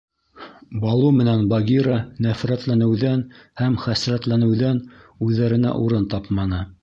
Балу менән Багира нәфрәтләнеүҙән һәм дә хәсрәтләнеүҙән үҙҙәренә урын тапманы.